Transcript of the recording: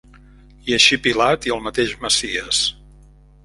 I així Pilat i el mateix Messies.